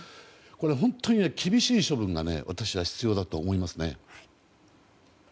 本当に厳しい処分が私は必要だと思います。